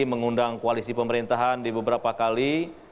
mengundang koalisi pemerintahan di beberapa kali